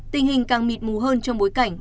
tình hình càng mịt mù hơn trong bối cảnh